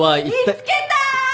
・見つけた！